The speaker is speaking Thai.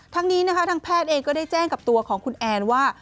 ทั้งนี้นะคะทางแพทย์เองก็ได้แจ้งกับตัวของคุณแอนว่า